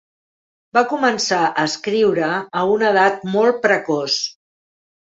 Va començar a escriure a una edat molt precoç.